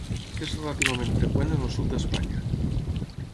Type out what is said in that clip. És relativament freqüent en el sud d'Espanya.